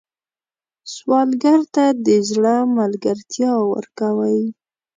سوالګر ته د زړه ملګرتیا ورکوئ